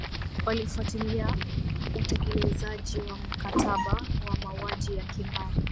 walifuatilia utekelezaji wa mkataba wa mauaji ya kimbari